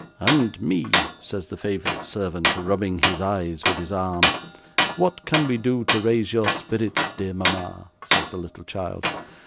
"And me!" says the favourite servant, rubbing his eyes with his arm. "What can we do to raise your spirits, dear mama?" says the little child.